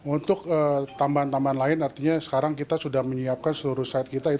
untuk tambahan tambahan lain artinya sekarang kita sudah menyiapkan seluruh side kita